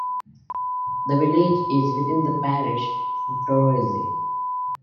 The village is within the parish of Torosay.